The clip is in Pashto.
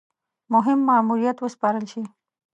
مهم ماموریت وسپارل شي.